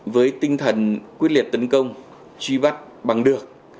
với tinh thần quyết liệt tấn công truy bắt bằng được